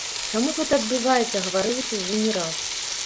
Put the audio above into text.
Чаму гэта адбываецца, гаварылася ўжо не раз.